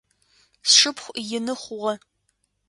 Сшыпхъу ины хъугъэ.